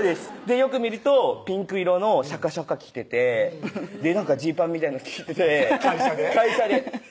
よく見るとピンク色のシャカシャカ着ててジーパンみたいなの着てて会社で？